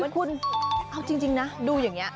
คุณเอาจริงนะดูอย่างนี้